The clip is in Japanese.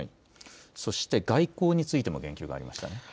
そして外交についても言及がありましたね。